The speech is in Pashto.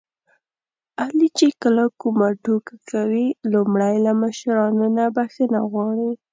علي چې کله کومه ټوکه کوي لومړی له مشرانو نه بښنه غواړي.